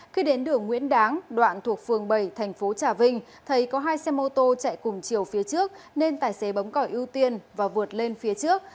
khi đến đường nguyễn đáng đoạn thuộc phường bảy tp trà vinh thầy có hai xe mô tô chạy cùng chiều phía trước nên tài xế bấm cỏi ưu tiên và vượt lên phía trước